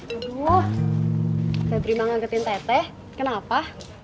aduh terima ngegetin teteh kenapa